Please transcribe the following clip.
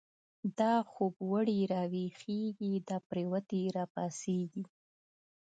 دا خوب وړی راويښږی، دا پريوتی را پا څيږی